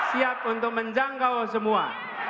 siap untuk menjangkau semua